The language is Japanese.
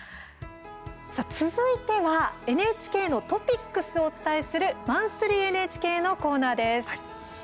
さあ、続いてはＮＨＫのトピックスをお伝えする「マンスリーＮＨＫ」のコーナーです。